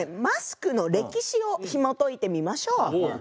マスクの歴史をひもといてみましょう。